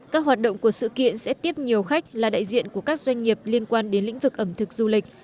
các hoạt động của sự kiện sẽ tiếp nhiều khách là đại diện của các doanh nghiệp liên quan đến lĩnh vực ẩm thực du lịch